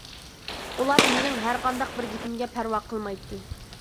ئۇلار مېنىڭ ھەرقانداق بىر گېپىمگە پەرۋا قىلمايتتى.